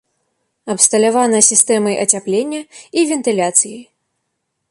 Абсталявана сістэмай ацяплення і вентыляцыяй.